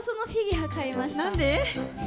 何で？